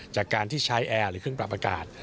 จากการที่ใช้แอร์หรือเครื่องปรับอากาศ